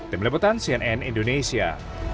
tim lebutan cnn indonesia